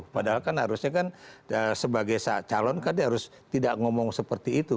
padahal kan harusnya kan sebagai calon kan dia harus tidak ngomong seperti itu